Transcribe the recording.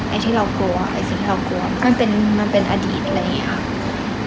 ไอ้ที่เรากลัวไอ้สิ่งที่เรากลัวมันเป็นอดีตเลยครับ